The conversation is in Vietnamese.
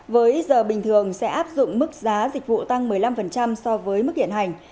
với giờ bình thường sẽ áp dụng mức giá dịch vụ tăng một mươi năm so với mức hiện hành